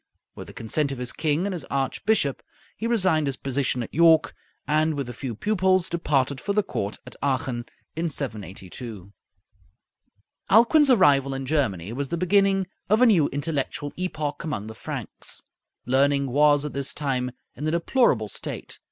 With the consent of his king and his archbishop he resigned his position at York, and with a few pupils departed for the court at Aachen, in 782. Alcuin's arrival in Germany was the beginning of a new intellectual epoch among the Franks. Learning was at this time in a deplorable state.